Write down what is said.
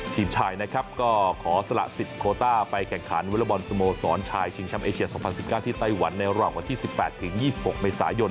ทีมชายนะครับก็ขอสละสิทธิ์โคต้าไปแข่งขันวอลบอลสโมสรชายชิงแชมป์เอเชีย๒๐๑๙ที่ไต้หวันในระหว่างวันที่๑๘๒๖เมษายน